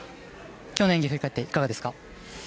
今日の演技振り返っていかがですか？